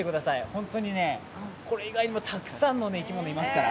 本当にこれ以外にもたくさんの生き物いますから。